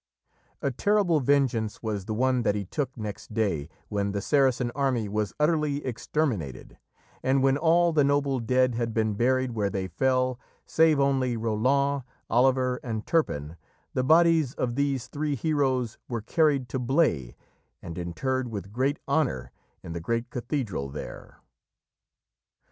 '" A terrible vengeance was the one that he took next day, when the Saracen army was utterly exterminated; and when all the noble dead had been buried where they fell, save only Roland, Oliver, and Turpin, the bodies of these three heroes were carried to Blaye and interred with great honour in the great cathedral there.